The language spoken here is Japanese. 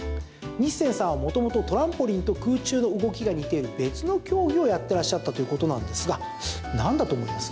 ニッセンさんは、元々トランポリンと空中の動きが似ている別の競技をやってらっしゃったということなんですがなんだと思います？